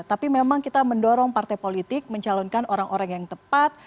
tapi memang kita mendorong partai politik mencalonkan orang orang yang tepat